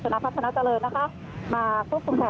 เพราะตอนนี้ก็ไม่มีเวลาให้เข้าไปที่นี่